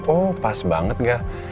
oh pas banget gak